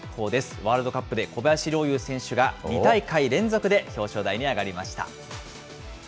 ワールドカップで小林陵侑選手が、２大会連続で表彰台に上がりました。